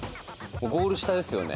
ゴール下ですよね。